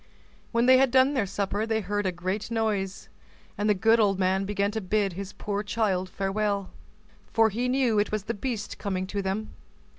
When they had done their supper, they heard a great noise, and the good old man began to bid his poor child farewell, for he knew it was the beast coming to them.